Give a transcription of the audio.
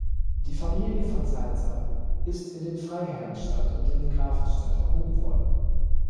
Die Familie von Salza ist in den Freiherrnstand und in den Grafenstand erhoben worden.